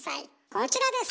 こちらです！